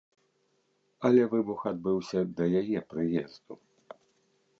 Але выбух адбыўся да яе прыезду.